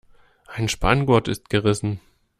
Ein Spanngurt ist gerissen.